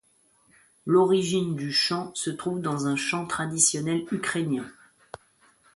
L'origine du chant se trouve dans un chant traditionnel ukrainien.